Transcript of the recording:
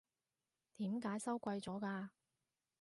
點解收貴咗㗎？